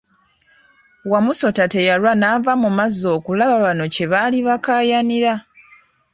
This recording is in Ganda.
Wamusota teyalwa n'ava mu mazzi okulaba bano kye baali bakaayanira.